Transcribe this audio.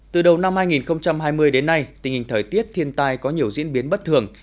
từ đầu năm hai nghìn hai mươi đến nay tình hình thời tiết thiên tai có nhiều diễn biến bất thường